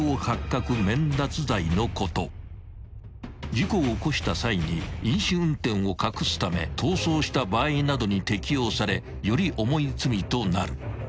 ［事故を起こした際に飲酒運転を隠すため逃走した場合などに適用されより重い罪となる］